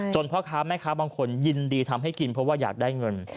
พ่อค้าแม่ค้าบางคนยินดีทำให้กินเพราะว่าอยากได้เงิน